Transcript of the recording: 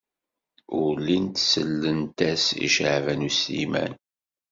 Ur llint sellent-as i Caɛban U Sliman.